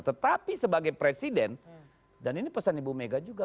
tetapi sebagai presiden dan ini pesan ibu mega juga